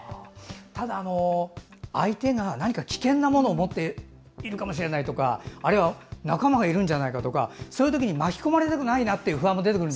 ただ、相手が何か危険なものを持っているかもしれないとかあるいは仲間がいるんじゃないかとかそういうときに巻き込まれたくないなと。